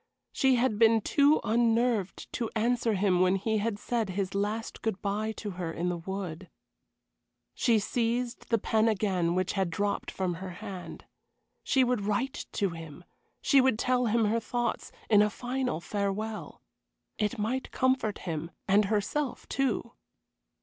She had been too unnerved to answer him when he had said his last good bye to her in the wood. She seized the pen again which had dropped from her hand. She would write to him. She would tell him her thoughts in a final farewell. It might comfort him, and herself, too.